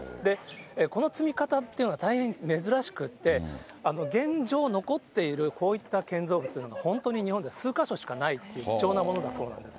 この積み方っていうのは大変珍しくって、現状残ってるこういった建造物は、本当に日本に数か所しかないっていう貴重なものなんだそうです。